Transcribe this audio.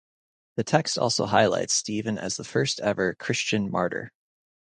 The text also highlights Stephen as the first ever Christian martyr.